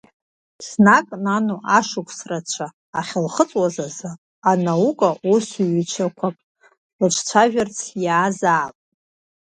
Ҿнак, нану ашықәс рацәа ахьылхыҵуаз азы анаука усзуҩцәақәак лыҿцәажәарц иаазаап.